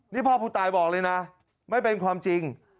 นี่พ่อผู้ตายบอกเลยนะไม่เป็นความจริง